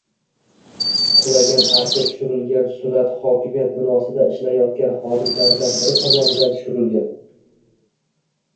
Qulagan archa tushirilgan surat hokimiyat binosida ishlayotgan xodimlaridan biri tomonidan tushirilgan.